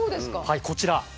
こちら。